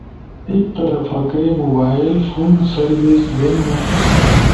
تھئی طرف کئی موبائل فون سروس بیلنو؟